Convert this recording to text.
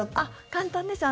簡単です。